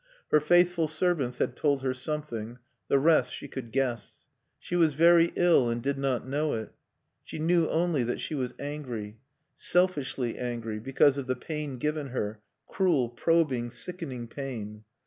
Her faithful servants had told her something; the rest she could guess. She was very ill, and did not know it. She knew only that she was angry selfishly angry, because of the pain given her, cruel, probing, sickening pain.